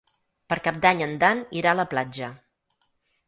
Per Cap d'Any en Dan irà a la platja.